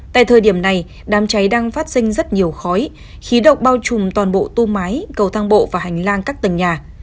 tại thời điểm này đám cháy đang phát sinh rất nhiều khói khí độc bao trùm toàn bộ tung máy cầu thang bộ và hành lang các tầng nhà